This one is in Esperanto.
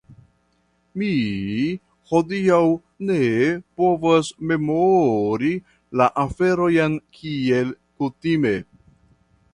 Mi hodiaŭ ne povas memori la aferojn kiel kutime.